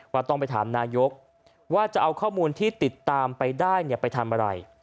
ต้องไปถามนายกว่าจะเอาข้อมูลที่ติดตามไปได้ไปทำอะไร